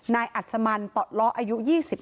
อัศมันปอดล้ออายุ๒๙